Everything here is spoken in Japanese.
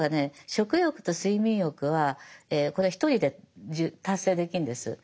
食欲と睡眠欲はこれ１人で達成できるんです。